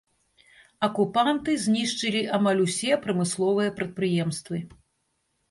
Акупанты знішчылі амаль усе прамысловыя прадпрыемствы.